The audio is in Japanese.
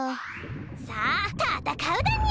さあたたかうだにゃ！